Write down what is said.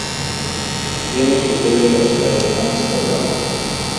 Tiene su sede en la ciudad de Ámsterdam.